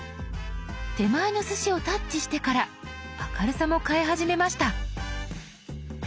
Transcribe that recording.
手前のすしをタッチしてから明るさも変え始めました。